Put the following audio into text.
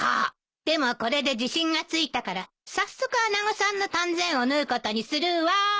でもこれで自信がついたから早速穴子さんの丹前を縫うことにするわ。